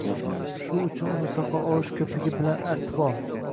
Shu uchun uni soqol olish ko'pigi bn artib ol